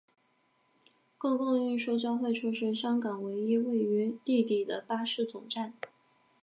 公共运输交汇处是香港唯一位于地底的巴士总站。